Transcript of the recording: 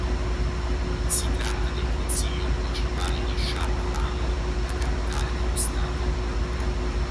Si tratta del consiglio municipale di Shah Alam, la capitale dello stato.